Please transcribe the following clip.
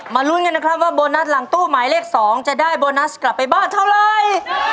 ลุ้นกันนะครับว่าโบนัสหลังตู้หมายเลข๒จะได้โบนัสกลับไปบ้านเท่าไร